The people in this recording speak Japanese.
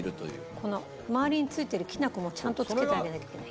この周りに付いてるきなこもちゃんと付けてあげなきゃいけない。